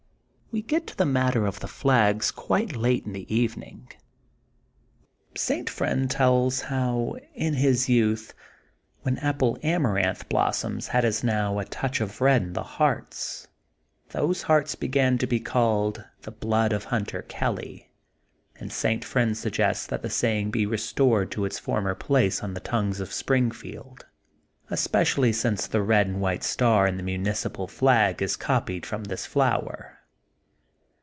We get to the matter of the flags quite late in the evening. St. Friend tells how in his youth when Apple Amaranth blossoms had as now a touch of red in the hearts, those hearts began to be called, ''The Blood of Hunter Kelly, and St. Friend suggests that the saying be restored to its former place on the tongues of Springfield, especially since the red and white star in the municipal flag is copied from this flower.